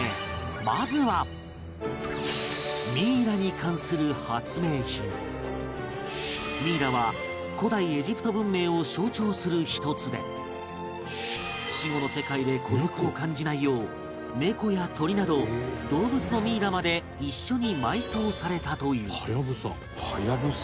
まずはミイラは、古代エジプト文明を象徴する１つで死後の世界で孤独を感じないよう猫や鳥など、動物のミイラまで一緒に埋葬されたという富澤：ハヤブサ？